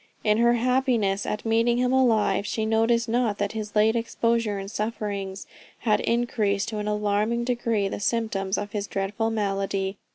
In her happiness at meeting him alive, she noticed not that his late exposure and sufferings had increased to an alarming degree the symptoms of his dreadful malady.